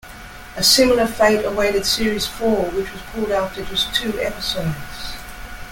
A similar fate awaited series four, which was pulled after just two episodes.